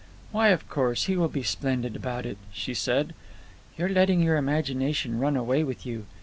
"Why, of course he will be splendid about it," she said. "You're letting your imagination run away with you.